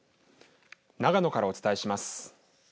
長野からお伝えします。